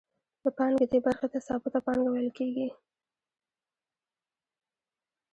د پانګې دې برخې ته ثابته پانګه ویل کېږي